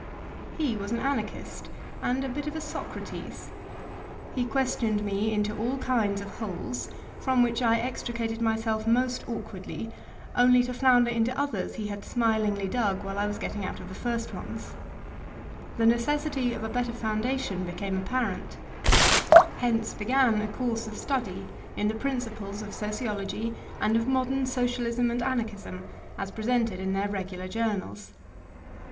He was an Anarchist, and a bit of a Socrates. He questioned me into all kinds of holes, from which I extricated my self most awkwardly, only to flounder into others he had smilingly dug while I was getting out of the first ones The necessity of a better foundation became apparent: hence btg^n a course of study in the principles of sociol ogy and of modem Socialism and Anarchism as pre sented in their regular journals.